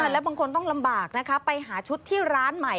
แล้วบางคนต้องลำบากนะคะไปหาชุดที่ร้านใหม่